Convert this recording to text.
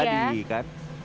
pongki yang tadi kan